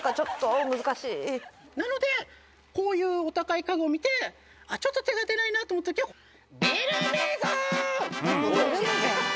なのでこういうお高い家具を見てちょっと手が出ないなと思った時はベルメゾン！